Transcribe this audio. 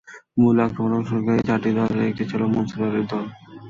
মূল আক্রমণে অংশগ্রহণকারী চারটি দলের একটি ছিল মনসুর আলীর দল।